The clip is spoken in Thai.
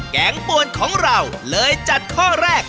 แกงป่วนของเราเลยจัดข้อแรก